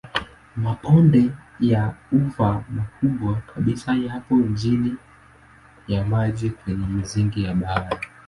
Mabonde ya ufa makubwa kabisa yapo chini ya maji kwenye misingi ya bahari.